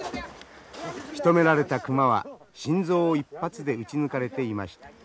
しとめられた熊は心臓を一発で撃ち抜かれていました。